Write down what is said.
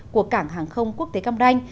của cảng hàng không quốc tế cam ranh